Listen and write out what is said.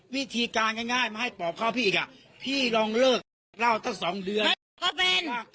วิธีการง่ายง่ายมาให้ปอบเข้าพี่อีกอ่ะพี่ลองเลิกเหล้าเท่าสองเดือน